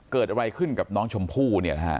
เกิดอะไรขึ้นกับน้องชมพู่